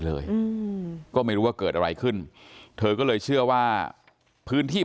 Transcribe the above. เลยอืมก็ไม่รู้ว่าเกิดอะไรขึ้นเธอก็เลยเชื่อว่าพื้นที่